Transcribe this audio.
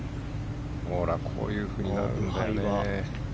こういうふうになるんだよね。